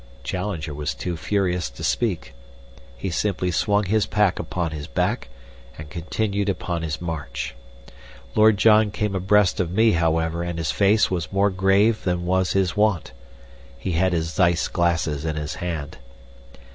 Challenger was too furious to speak. He simply swung his pack upon his back and continued upon his march. Lord John came abreast of me, however, and his face was more grave than was his wont. He had his Zeiss glasses in his hand.